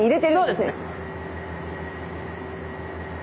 はいそうですね。